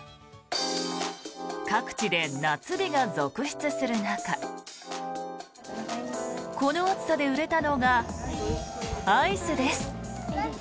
各地で夏日が続出する中この暑さで売れたのがアイスです。